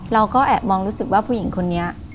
เราก็แอบมองรู้สึกว่าผู้หญิงคนนี้